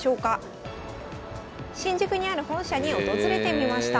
新宿にある本社に訪れてみました。